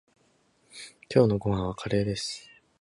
今日のご飯はカレーです。